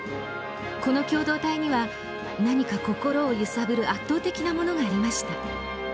この共同体には何か心を揺さぶる圧倒的なものがありました。